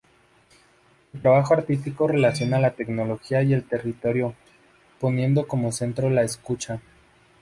Su trabajo artístico relaciona la tecnología y el territorio, poniendo como centro la escucha.